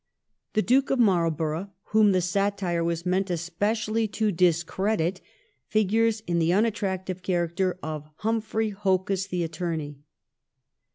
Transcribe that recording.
The Duke of Marlborough, whom the satire was meant especially to discredit, figures in the unattractive character of Humphrey Hocus the Attorney.